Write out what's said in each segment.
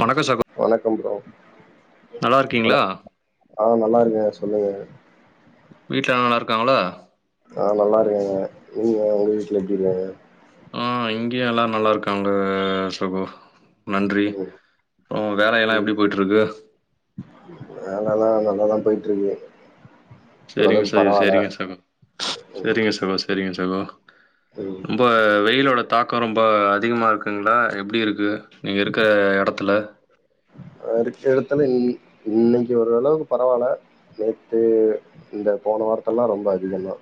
வணக்கோ சகோ வணக்கம் ப்ரோ நல்லா இருக்கீங்களா? ஆ நல்லா இருக்கே சொல்லுங்க வீட்ல எல்லா நல்லா இருக்காங்களா ஆ நல்லா இருக்காங்க நீங்க உங்க வீட்ல எப்டி இருக்காங்க ஆ இங்கியு எல்லா நல்லா இருக்காங்க சகோ நன்றி ம், அப்றோ வேலை எல்லா ம். எப்டி போய்ட்டுருக்கு வேலலா நல்லாதாச்க போயிட்டு இருக்கு சேரிங்க சேரிங்க சேரிங்க சகோ ம், சேரிங்க சகோ சேரிங்க சகோ ம் ரொம்ப வெயிலோட தாக்கோ ரொம்ப அதிகமாக இருக்குங்களா எப்டி இருக்கு நீங்க இருக்கற எடத்துல அ இருக்க எடத்துலை இன்னைக்கு ஒரு அளவுக்கு பரவால்ல நேத்து இந்த போன வாரத்துல்லா ரொம்ப அதிக தா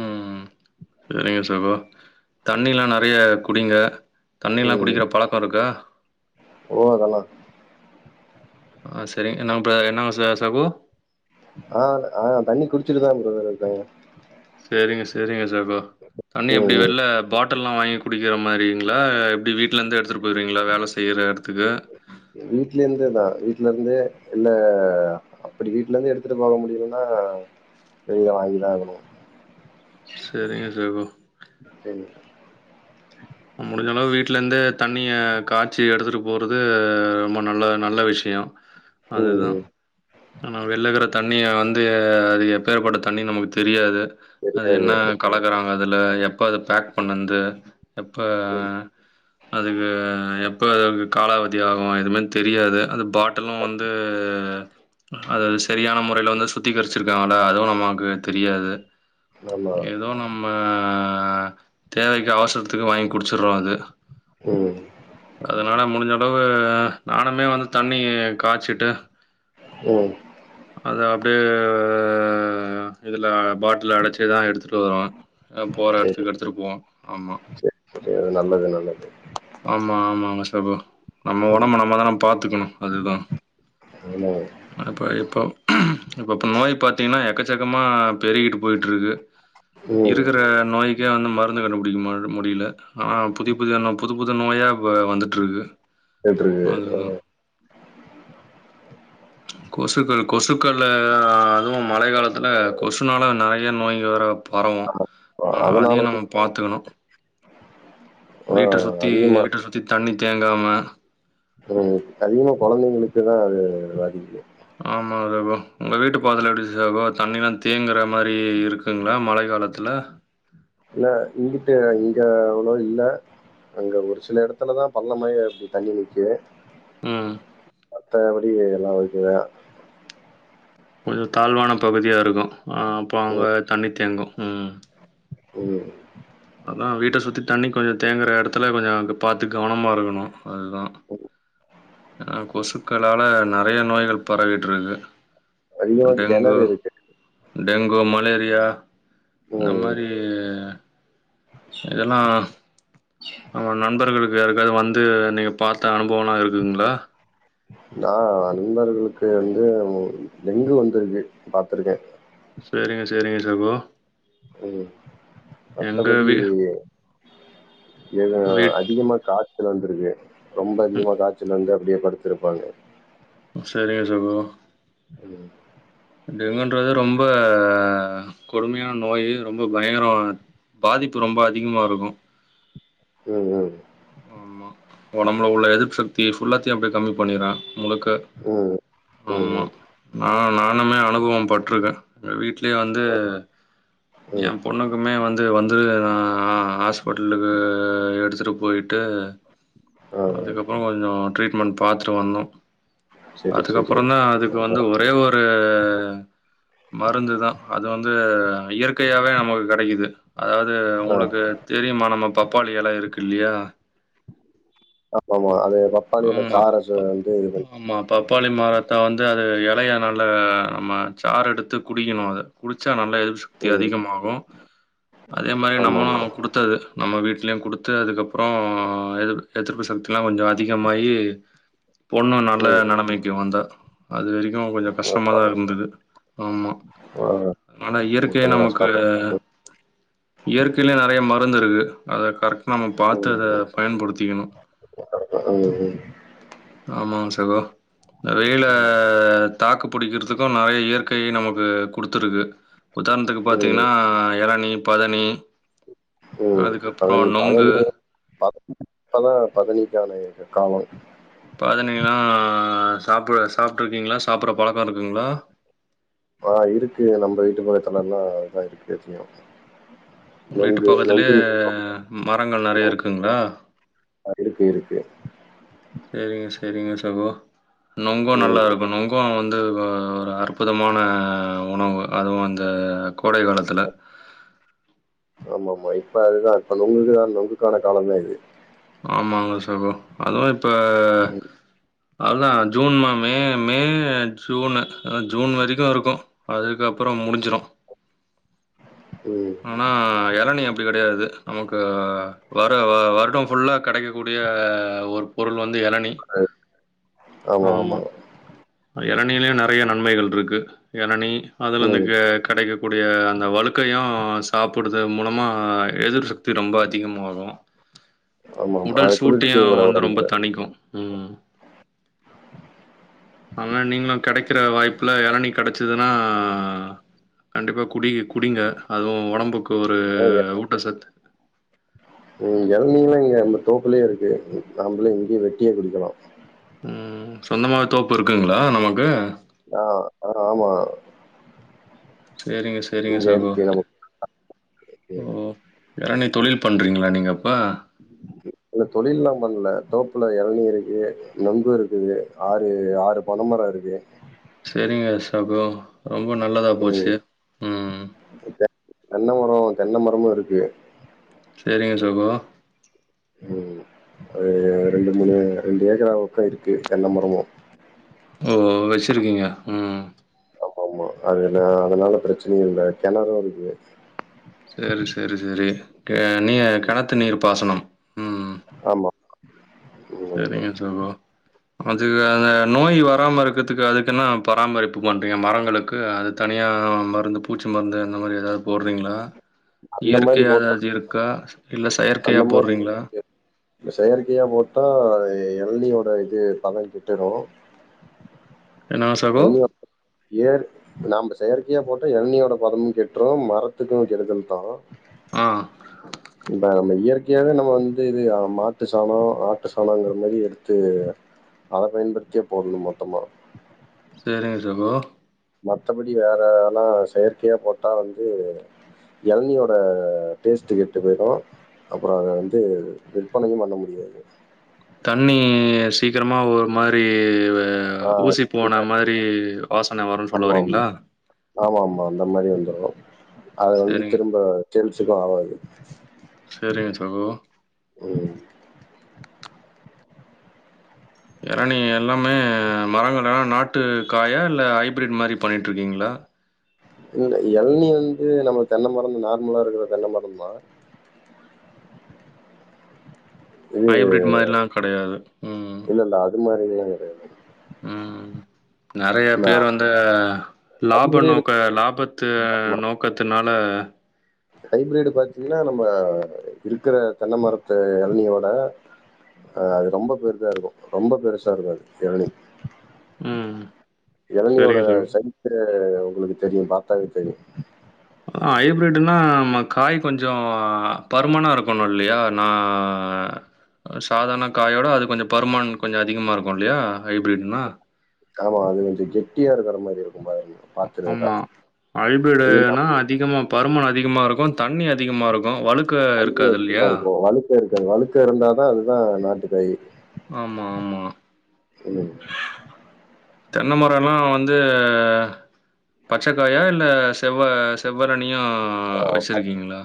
ம் செரிங்க சகோ தண்ணில்லா நெறைய குடிங்க தண்ணில்லா ம். குடிக்கிற பழக்கோ இருக்கா ஓ! அதெல்லாம். ஆ செரிங்க நம்ப என்ன ச சகோ ஆ ஆ தண்ணி குடிச்சிட்டுதா ப்ரோ இருக்க சேரிங்க சேரிங்க சகோ தண்ணி ம், எப்டி ம். வெள்ள பா ட்டல்லா வாங்கி குடிக்கிற மாரிங்ளா எப்டி வீட்லருந்து எடுத்துட்டு போயிருவீங்ளா வேல செய்ற எடத்துக்கு வீட்ல இருந்து தா வீட்ல இருந்தே என்ன அப்படி வீட்ல இருந்து எடுத்துட்டு போக முடியிலன்னா வெளிய வாங்கிதா ஆகணு சேரிங்க சகோ [unintelligible] முடிஞ்ச அளவு வீட்ல இருந்து தண்ணிய காய்ச்சு எடுத்துட்டு போறது ரொம்ப நல்ல நல்ல விஷயோ அதுதா ம். ஆனா வெள்ல இருக்குற தண்ணிய வந்து அது எப்பேயர்ப்பட்ட தண்ணின் நமக்கு தெரியாது அது தெரியாது. என்னா கலக்குறாங்க அதுல எப்ப அது பேக் பண்ணன்து எப்ப ம். அதுக்கு எப் எப்ப அது காலாவதி ஆகு எதுமே தெரியாது அந்த பாட்டலு வந்து அது சரியான முறையில வந்து சுத்திகரிச்சிருக்காங்கள அதுவு நமாக்கு தெரியாது ஆமா. ஏதோ நம்ம தேவைக்கு அவசரத்துக்கு வாங்கி குடிச்சடுறோ அத ம் அதனால முடிஞ்ச அளவு நானுமே வந்து தண்ணி காச்சிட்டு ம் அது அப்டே இதுல பாட் ல அடச்சிதா எடுத்துட்டு வரோ போற எடத்துக்கு எடுத்துட்டு போவோ ஆமா சேரி நல்லது நல்லது ஆமா ஆமாங்க சகோ நம்ம ம். ஒடம்ப நம்மதான பாத்துக்கணு அதுதா ஆமாங்க அப்ப இப்போ இப்பப்ப நோய் பாத்தீங்கனா எக்கச்சக்கமா பெருகிட்டு போயிட்ருக்கு ம். இருக்கிற நோய்க்கே வந்து மருந்து கண்டுபிடிக்க முட்ல்ல முடியில ஆனா புதிய புதிதான புது புது நோயாக இப்ப வந்துட்ருக்கு கேட்டுருக்கு. அதுதா கொசுக்கள் கொசுக்களயா அதுவு மழை காலத்துல கொசுனால நெறைய நோய்ங்க வேற பரவு அ ஆ அதனால அதையு தான் நம்ம பாத்துக்கணு ப்ப ஆ வீட்ட சுத்தி எ அதிகமா வீட்ட சுத்தி தண்ணி தேங்காம ம் அதிகமா கொழந்தைங்களுக்கு தா அது பாதிப்பு ஆமாங்க ப்ரோ உங்கள் வீட்டு பாதைல எப்டி சகோ தண்ணிலா தேங்குற மாரி இருக்குங்களா மழை காலத்தில இல்ல இங்கிட்டு இங்க அவ்ளோ இல்ல அங்க ஒரு சில எடத்துலதா பள்ளமாயி அப்டி தண்ணி நிக்கு ம் த்தபடியு எல்லா வீட்லையு ஃபுல் தாழ்வான பகுதியாக இருக்கு ஆ அப்போ அங்க தண்ணி தேங்கு ம் என்னது அதா வீட்ட சுத்தி தண்ணி கொஞ்ச தேங்குகிற எடத்துல கொஞ்ச அங்க பாத்து கவனமாக இருக்கணு அது தா ஆ கொசுக்களால நெறைய நோய்கள் பரவிட்ருக்கு அதிகமா டெங்கு கிணறு இருக்கு. டெங்கு மலேரியா இந்த ம். மாரி இதெல்லா உங்க நண்பர்களுக்கு யாருக்காவ்து வந்து நீங்க பாத்த அனுபவலா இருக்குங்ளா நா நண்பர்களுக்கு வந்து டெங்கு வந்துருக்கு பாத்துருக்கே சேரிங்க சேரிங்க சகோ ம் எங்க மத்தபடி வீ ஏது வீட் அதிகமா காய்ச்சல் வந்துருக்கு ரொம்ப அதிகமாக காய்ச்சல் வந்து அப்டியே படுத்துருப்பாங்க சேரிங்க சகோ ம் டெங்குன்றது ரொம்ப கொடுமையான நோயி ரொம்ப பயங்கரமானது பாதிப்பு ரொம்ப அதிகமா இருக்கு ம் ம் ஆமா ஒடம்புல உள்ள எதிர்ப்பு சக்திய ஃபுல்லாத்தையு அப்டியே கம்மி பண்ணிரு முழுக்க ம் ம் ஆமா ம் நா நானுமே அனுபவ பட்ருக்கே அந்த வீட்லயே வந்து எ ம் பொண்ணு க்குமே வந்து வந்து நா ஆ ஹாஸ்பிட்டலுக்கு எடுத்துட்டு போய் ட்டு ஆ ஆ அதுக்கப்பற கொஞ்ச ட்ரீட்மென்ட் பாத்துட்டு வந்தோ சரி சரி அதுக்கப்பறந்தா அதுக்கு வந்து அதான். ஒரே ஒரு மருந்து தா அது வந்து இயற்கையாவே நமக்கு கெடைக்குது அதாவ்து ஆ உங்களுக்கு தெரியுமா நம்ம பப்பாளி எல இருக்கு இல்லையா ஆமாம்மா அது பப்பாளி எல ஆமா. சார ப வந்து இது பண் ஆமா பப்பாளி மரத்த வந்து அது எலைய நல்ல ஆமா சாறு எடுத்து குடிக்கணு அத குடிச்சா நல்லா எதி்ர்ப்பு சக்தி ம் அதிகமாகு அதே மாரி நம்மளு ஆமாமா குடுத் த்தது நம்ம வீட்லயு குடுத்து அதுக்கப்றோ எதி எதிர்ப்பு சக்திலா கொஞ்ச அத் திகமாயி பொண்ணு நல்ல ம் நெலமைக்கி வந்தா அது வரைக்கும் கொஞ்ச கஷ்டமா அப்பா தா இருந்தது ஆமா ஆ ஆனா இயற் க்கை கொஞ்சம் நமக்கு கஷ்டம் தான் இயற்கையிலயே நெறைய மருந்து இருக்கு அத கரெக்ட் நம்ம பாத்து அத பயன்படுத்திக்கணும் ஒக் ம் ஆமாங் சகோ இந்த வெயில ம் தாக்கு புடிக்றதுக்கும் நெறைய இயற்கையே நமக்கு குடுத்துருக்கு உதாரணத்துக்கு பாத்தீங்கனா ம் இளநி பதனி ம் அதுக்கப்புறோ பதனி நொங்கு பதனி இப்பதா பதனிக்கான காலம் பதனினா சாப்பற சாப்ட்ருக்கீங்களா சாப்பற பழக்கம் இருக்குங்களா ஆ இருக்கு நம்ம வீட்டு மரத்திலலா இதா தெரியும் வீட்டு பக்கத்துலே மரங்கள் நெறைய இருக்குங்களா ஆ இருக்கு இருக்கு சேரிங்க சேரிங்க சகோ நொங்கும் நல்லா ம் இருக்கும் நொங் ங்கு வந்து ஆ ஒரு அற்புதமான உணவு அதுவும் இந்த கோடை காலத்துல ஆமா ஆமா இப்ப அதுதா இப்ப நொங்கு நுங்குக்கான காலம்தா இது ஆமாங்க சகோ அதுவும் இப்போ அதுதா ஜூன் மா மே மே ஜூனு ஆ ஜூன் வரைக்கும் இருக்கும் அதுக்கப்பறம் முடிஞ்சிடும் ம் ஆனா இளநி அப்டி கெடையாது நமக்கு வ வரு வருடம் ஃபுல்லா கெடைக்க கூடிய ஒரு பொருள் வந்து எளனி ஆமா எளனிலையு நெறைய நன்மைகள் இருக்கு எளநி அதுல இருந்து ம். கெடைக் கூடிய அந்த வலுக்கையும் சாப்புடுது மூலமாக எதிர்ப்பு சக்தி ரொம்ப அதிகமாகும் ஆமாமா. உடல் அது குளிர்ச்சியும் சூட்டையும் கூட வந்து ரொம்ப உடம்புக்கு. தனிக்கும் ம் ஆனா நீங்களும் கெடைக்கிற வாய்ப்புல எளநி கெடைச்துன்னா கண்டிப்பா குடி குடிங்க அதுவும் ஒடம்புக்கு ஒரு ஊட்டசத்து இங்க இளநீல்லா இங்கே நம்ம தோப்புலயே இருக்கு நம்மளே இங்கே வெட்டியே குடிக்கலா ம் சொந்தமாவே தோப்பு இருக்குங்களா நமக்கு ஆ ஆமா சேரிங்க சேரிங்க இங்க சகோ இருக்கு நமக்கு. ம் இளநீ தொழில் பண்ணறீங்களா நீங்க அப்ப இல்ல தொழில்லா பண்ணல தோப்புல இளநீ இருக்கு நொங்கு இருக்குது ஆறு ஆறு பனைமரம் இருக்கு சேரிங்க சகோ ரொம்ப நல்லதா ம். போச்சு ம் தென்ன மரம் தென்ன மரமும் இருக்கு சேரிங்க சகோ ம் ஒரு ரெண்டு மூணு ரெண்டு ஏக்கராவுக்கா இருக்கு தென்ன மரமும் ஓ வச்சிருக்கீங்க ம் ஆமா அதுல அதனால பிரச்சனயு இல்ல கிணறும் இருக்கு சேரி சேரி சேரி நீ கிணத்து நீர் பாசனம் ஆமா ம். சேரிங்க சகோ அதுக்கு அந்த நோய் வராம இருக்கதுக்கு அதுக்கு என்னா பராமரிப்பு பண்றீங்க மரங்களுக்கு அது தனியாக மருந்து பூச்சி மருந்து அந்த மாரி ஏதாவது போடுறீங்களா அந்த மாரி இயற்கையா போட்டா எதாவது இருக்கா இல்ல செயற்கையா போடுறீங்களா இந்த செயற்கையா போட்டா எளநீயோட இது பலன் கிட்டுரு என்னங்க சகோ? எளநீ ஏர் நாம செயற்கையா போட்டா எளநீயோட பதமு கெட்றூ மரத்துக்கூ கெடுதல்தா ஆ இப்ப நம்ம இயற்கையாவே நம்ம வந்து இது மாட்டு சாணொ ஆட்டு சாணோங்கிற மாரி எடுத்து அத பயன்படுத்தியே போட்ணு மொத்தமா செரிங்க சகோ மத்தபடி வேறலா செயற்கையா போட்டா வந்து எளநியோட டேஸ்ட்டு கெட்டு போயிரு அப்பறோ அத வந்து விற்பனைையு பண்ண முடியாது தண்ணீஸ் சீக்கிரமாக ஒரு மாரி ஆ ஊசி போன மாரி வாசன வருன்னு சொல்ல ஆமாம் வரீங்ளா ஆமா ஆமா அந்த மாரி வந்துரு அத வந்து சரிங்க திரும்ப தெவ்ச்சுக்கூ ஆகாது செரிங்க சகோ ம் எரநீ எல்லாமே மரங்கள்லா நாட்டு காயா இல்ல ஹைப்ரிட் மாரி பண்ணிகிட்டுருக்கீங்ளா இல்ல எளநீ வந்து நம்ம தென்ன மரம் நார்மலா இருக்கிற தென்ன மரந்தா இது ஹைப்ரிட் மாரில்லா கெடையாது அந்த மாரி இதெல்லா கெடையாது ம் நறைய நம்ம பேர் வந்து லாப ஹைபிரிட் நோக்க லாபத்து நோக் கத்துனால ஹைபிரடு பாத்தீங்கனா நம்ப இருக்கிற தென்ன மரத்த எளநீயோட அது ரொம்ப பெருதா இருக்கூ ரொம்ப பெருசா இருக்கூ அது எளநீ ம் எளநீயோட சரிங்க சகோ சைசு உங்களுக்கு தெரியு பாத்தாவே தெரியு அ ஹைப்ரிட்டுனா நம்ம காய் கொஞ்சொ பருமனா இருக்கணு இல்லயா நா அ சாதாரன காயோட அது கொஞ்சோ பருமன் கொஞ்சோ அதிகமா இருக்கூ இல்லயா ஹைப்ரிட்னா ஆமா அது கொஞ்சோ கெட்டியா இருக்கற மாரி இருக்கூ [unintelligible] ஆமா நம்ம ஹைப்ரெடுனா அதிகமா பருமன் அதிகமா இருக்கூ தண்ணி அதிகமாக இருக்கூ வலுக்க தண்ணி இருக்காது அதிகமா இல்லயா இருக்கும். வழுக்க இருக்காது வழுக்க இருந்தாதா அதுதா நாட்டு காயி ஆமா ஆமா ம் தென்ன மரல்லா வந்து பச்சக்காயா இல்ல செவ்வ செவ்வரனியா வச்சருக்கீங்ளா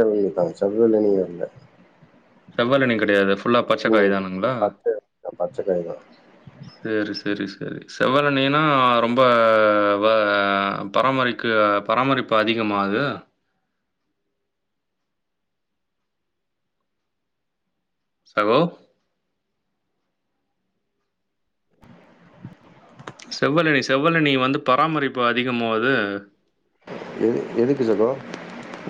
[unintelligible] தான் செவ்வளநீ இல்ல செவ்வளநீ கடையாது ஃபுல்லா பச்சக்காய் ம். தானுங்ளா பச்ச பச்சை காய் தான். செரி செரி செரி செவ்வளநீனா ரொம்ப வ பராமரிக்க பராமரிப்பு அதிகமா அது சகோ செவ்வளநீ செவ்வளநீ வந்து பாரமரிப்பு அதிகமோ அது எது எதுக்கு சகோ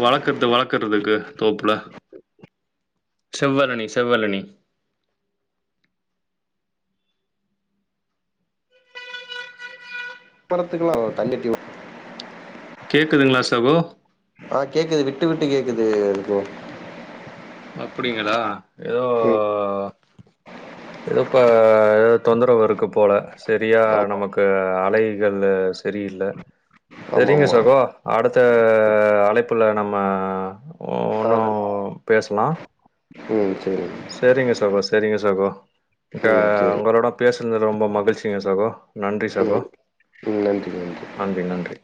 வளக்கர்து வளக்கரதுக்கு தோப்புல செவ்வளனி செவ்வளனி பணத்துக்குலா கேக்குதுங்ளா சகோ ஆ கேக்குது விட்டு விட்டு கேக்குது ஃப்ரோ அப்டிங்களா எதோ ம் எதோ ப தொந்தரவு இருக்கு போல சரியா ஆமா நமக்கு அலைகள் சரியில்ல ஆமா சரிங்க ஆமா சகோ அடுத்த அழைப்புல நம்ம காதல் பேசலா ம் சேரி சரிங்க சகோ சரிங்க சகோ இங்க ம் சேரி உங்களோட பேசுறது ரொம்ப மகிழ்ச்சிங்க சகோ நன்றி சகோ ம் நன்றி நன்றி நன்றி நன்றி